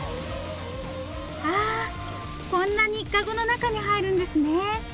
あこんなに籠の中に入るんですね！